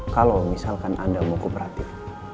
kalau misalkan anda mau kooperatif